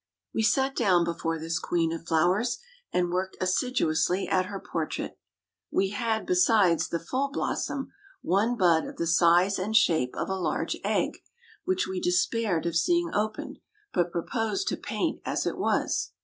We sat down before this queen of flowers, and worked assiduously at her portrait. We had, besides the full blossom, one bud of the size and shape of a large egg, which we despaired of seeing opened, but proposed to paint as it was.